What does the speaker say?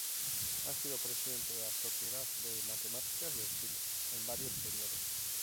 Ha sido presidente de la Sociedad de Matemática de Chile en varios periodos.